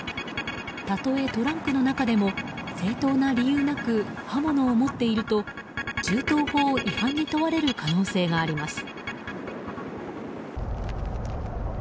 たとえ、トランクの中でも正当な理由なく刃物を持っていると銃刀法違反に問われる可能性があります。